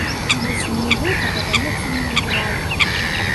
І вось мне гэта падаецца ненатуральным.